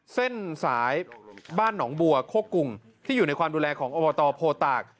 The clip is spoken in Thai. เส้นสายบ้านหนองบัวโคกรุงที่อยู่ในความดูแลของอบตโพตาก